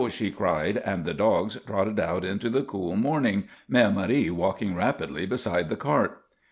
she cried, and the dogs trotted out into the cool morning, Mère Marie walking rapidly beside the cart.